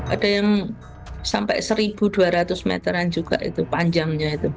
ada yang sampai seribu dua ratus meteran juga itu panjangnya itu